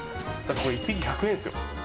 これ１匹１００円ですよ。